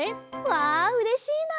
わあうれしいなあ！